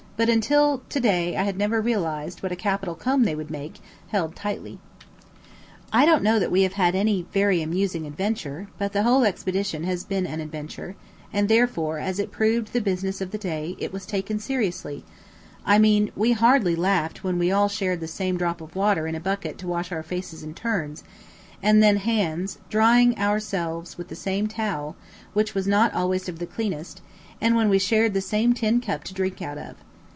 but until to day had never realized what a capital comb they would make, held tightly. I don't know that we have had any very amusing adventure; but the whole expedition has been an adventure, and therefore, as it proved the business of the day, it was taken seriously I mean, we hardly laughed when we all shared the same drop of water in a bucket to wash our face in turns, and then hands, drying ourselves with the same towel, which was not always of the cleanest, and when we shared the same tin cup to drink out of.